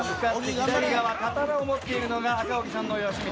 左側、刀を持っているのが赤荻さんの吉光。